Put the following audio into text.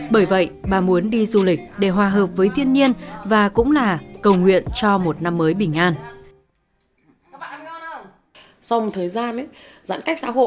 bởi vậy bà muốn đi du lịch để hòa hợp với thiên nhiên và cũng là cầu nguyện cho một năm mới bình an